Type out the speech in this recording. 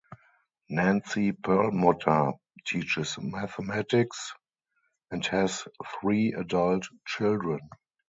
Nancy Perlmutter teaches mathematics and has three adult children.